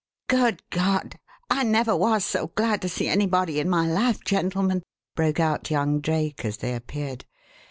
"Good God! I never was so glad to see anybody in my life, gentlemen," broke out young Drake as they appeared.